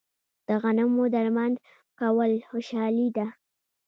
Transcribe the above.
د غنمو درمند کول خوشحالي ده.